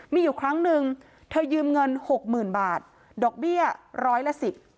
มีอยู่ครั้งหนึ่งเธอยืมเงินหกหมื่นบาทดอกเบี้ยร้อยละสิบ